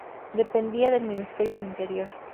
Dependía del Ministerio de Interior.